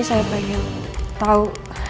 saya pengen tahu